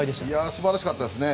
素晴らしかったですね。